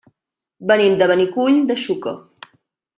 Venim de Benicull de Xúquer.